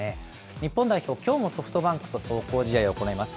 日本代表、きょうもソフトバンクと壮行試合を行います。